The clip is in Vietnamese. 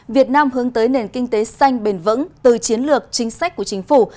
việt nam hướng tới nền kinh tế xanh bền vững từ chiến lược chính sách của chính phủ